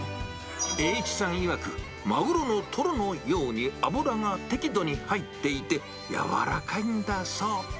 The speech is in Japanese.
英一さんいわく、マグロのトロのように、脂が適度に入っていて、やわらかいんだそう。